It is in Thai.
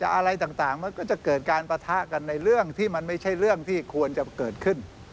อะไรต่างมันก็จะเกิดการปะทะกันในเรื่องที่มันไม่ใช่เรื่องที่ควรจะเกิดขึ้น